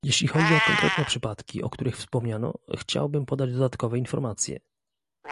Jeśli chodzi o konkretne przypadki, o których wspomniano, chciałbym podać dodatkowe informacje